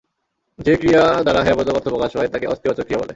যে ক্রিয়া দ্বারা হ্যাঁ-বোধক অর্থ প্রকাশ পায় তাকে অস্তিবাচক ক্রিয়া বলে।